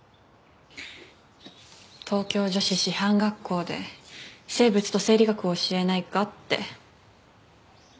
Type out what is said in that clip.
東京女子師範学校で生物と生理学を教えないかって。